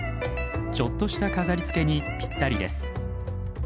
ちょっとした飾りつけにぴったりです。